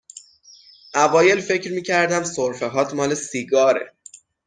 اوایل فکر می کردم سرفه هات مال سیگاره